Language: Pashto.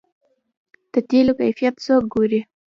د تیلو کیفیت څوک ګوري؟